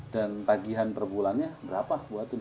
dan tagihan perbulannya berapa buat di sini